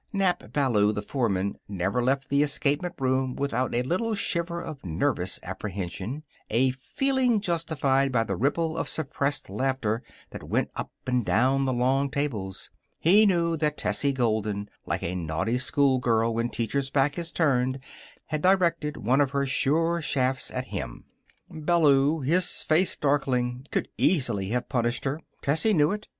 Nap Ballou, the foreman, never left the escapement room without a little shiver of nervous apprehension a feeling justified by the ripple of suppressed laughter that went up and down the long tables. He knew that Tessie Golden, like a naughty schoolgirl when teacher's back is turned, had directed one of her sure shafts at him. Ballou, his face darkling, could easily have punished her. Tessie knew it.